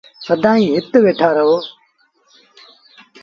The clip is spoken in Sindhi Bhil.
سدائيٚݩ هت ويٚٺآ رهون ۔